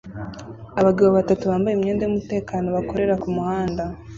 Abagabo batatu bambaye imyenda yumutekano bakorera kumuhanda